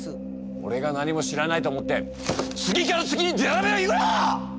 俺が何も知らないと思って次から次にでたらめを言うな！